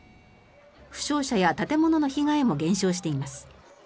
負傷者や建物の被害も減少しています。